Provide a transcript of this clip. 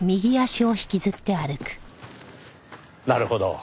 なるほど。